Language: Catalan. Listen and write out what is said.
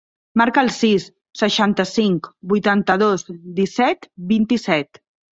Marca el sis, seixanta-cinc, vuitanta-dos, disset, vint-i-set.